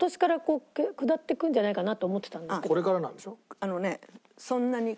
あのね。